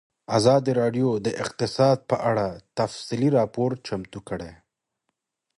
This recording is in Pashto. ازادي راډیو د اقتصاد په اړه تفصیلي راپور چمتو کړی.